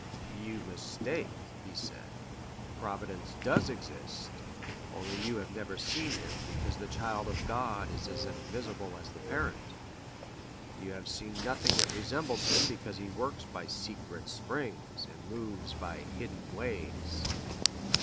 'You mistake,' he said, 'Providence does exist, only you have never seen him, because the child of God is as invisible as the parent. You have seen nothing that resembles him, because he works by secret springs, and moves by hidden ways.